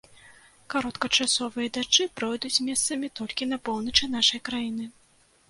Кароткачасовыя дажджы пройдуць месцамі толькі на поўначы нашай краіны.